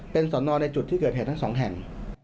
เป็นสอนอในจุดที่เกิดเหตุทั้งสองแห่ง